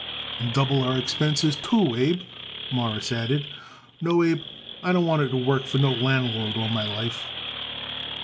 "And double our expenses, too, Abe," Morris added. "No, Abe, I don't want to work for no landlord all my life."